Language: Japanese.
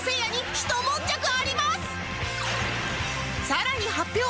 さらに発表！